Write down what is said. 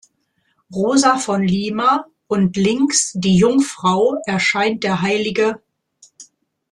Rosa von Lima" und links "Die Jungfrau erscheint der Hl.